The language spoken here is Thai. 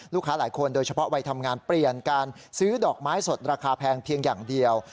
ลูกค้าหลายคนโดยเฉพาะวัยทำงานเปลี่ยนการซื้อดอกไม้สดราคาแพงเพียงอย่างเดียว